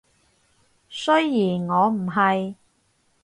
雖然我唔係